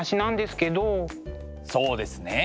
そうですね。